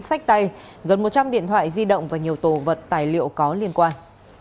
sách tay gần một trăm linh điện thoại di động và nhiều tổ vật tài liệu có liên quan